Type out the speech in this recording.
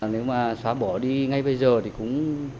nếu mà xóa bỏ đi ngay bây giờ thì cũng